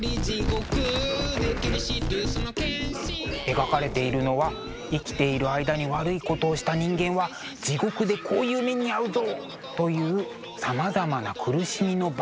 描かれているのは生きている間に悪いことをした人間は地獄でこういう目に遭うぞというさまざまな苦しみの罰。